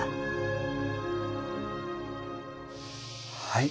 はい。